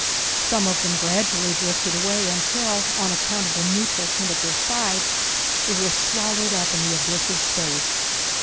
Some of them gradually drifted away, until, on account of the neutral tint of their sides, they were swallowed up in the abyss of space.